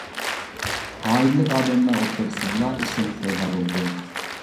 قائىدىلىك ئادەملەر ئوتتۇرىسىدىلا ئىشەنچ پەيدا بولىدۇ.